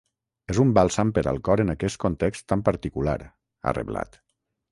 És un bàlsam per al cor en aquest context tan particular, ha reblat.